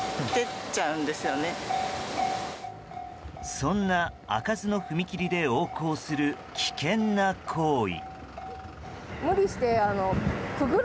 そんな開かずの踏切で横行する危険な行為。